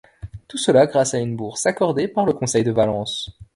Tout cela grâce à une bourse accordée par le Conseil de Valence.